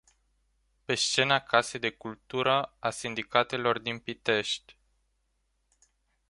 Pe scena Casei de Cultură a Sindicatelor din Pitești.